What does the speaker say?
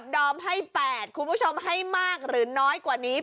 ดอมให้๘คุณผู้ชมให้มากหรือน้อยกว่านี้